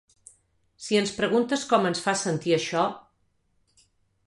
Si ens preguntes com ens fa sentir això,